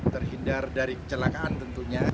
terhindar dari kecelakaan tentunya